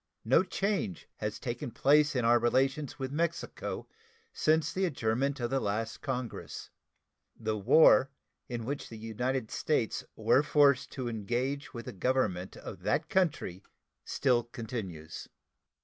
No change has taken place in our relations with Mexico since the adjournment of the last Congress. The war in which the United States were forced to engage with the Government of that country still continues.